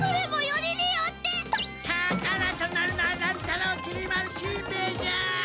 宝となるのは乱太郎きり丸しんべヱじゃ！